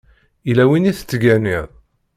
Yella win i tettganiḍ?